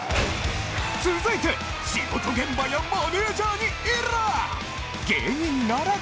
続いて仕事現場やマネジャーにイラッ！